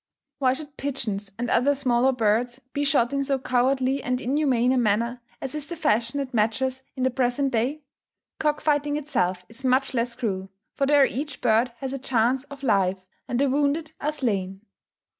Why should pigeons, and other smaller birds, be shot in so cowardly and inhumane a manner as is the fashion at matches in the present day? Cockfighting itself is much less cruel; for there each bird has a chance of life, and the wounded are slain.